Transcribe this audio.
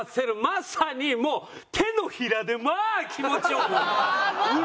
まさにもう手のひらでまあ気持ち良くうれしい！